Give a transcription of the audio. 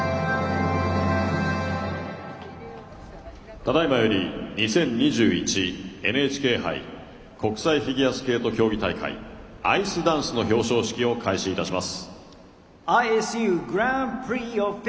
ただいまより２０２１ＮＨＫ杯国際フィギュアスケート競技大会アイスダンスの表彰式を開始いたします。